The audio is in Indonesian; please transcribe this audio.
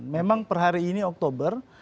memang per hari ini oktober